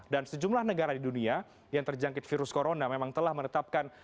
dan sejumlah negara di dunia yang terjangkit virus corona memang telah menetapkan